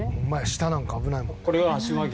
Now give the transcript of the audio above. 下なんか危ないもんな」